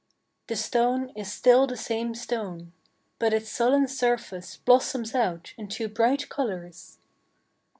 The stone is still the same stone ; but its sullen surface blossoms out into bright colours.